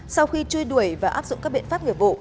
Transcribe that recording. sau khi truy đuổi và áp dụng các biện pháp nghiệp vụ